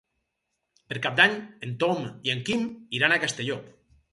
Per Cap d'Any en Tom i en Quim iran a Castelló.